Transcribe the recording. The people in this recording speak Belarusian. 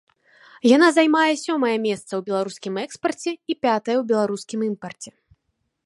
Яна займае сёмае месца ў беларускім экспарце і пятае ў беларускім імпарце.